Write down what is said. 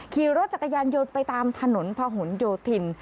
ขี่รถจักรยานยนต์ไปตามถนนพะหนโยธิน